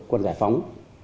quân giải phóng